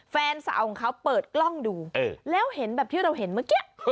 แฟนสาวของเขาเปิดกล้องดูแล้วเห็นแบบที่เราเห็นเมื่อกี้